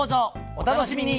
お楽しみに！